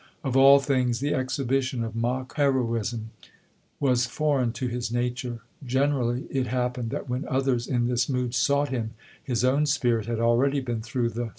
Of all things the exhibition of mock heroism was foreign to his nature. Generally it happened that when others in this mood sought him, his own spirit had already been through the